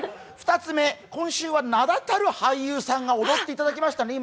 ２つ目、今週は名だたる俳優さんが踊っていただきました。